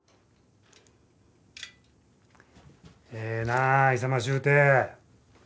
ええなあ勇ましゅうて。